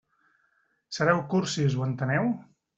Sereu cursis, ho enteneu?